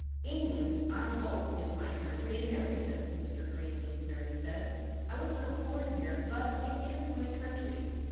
* England, I hope, is my country in every sense, Mr. Greenleaf,' Mary said; ' I was not born here ; but it is my country.